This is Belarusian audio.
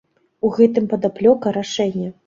У гэтым падаплёка рашэння.